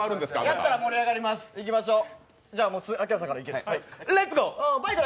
やったら盛り上がりますいきましょう。